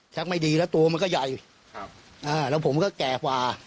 ชักไม่ดีแล้วตัวมันก็ใหญ่ครับอ่าแล้วผมก็แก่ฟาครับ